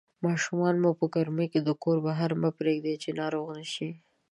ماشومان مو په ګرمۍ کې د کور بهر مه پرېږدئ چې ناروغ نشي